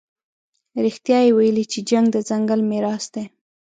رښتیا یې ویلي چې جنګ د ځنګل میراث دی.